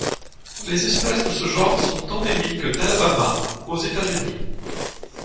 Les espèces de ce genre sont endémiques d'Alabama aux États-Unis.